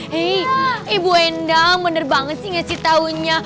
hei ibu enda bener banget sih ngasih taunya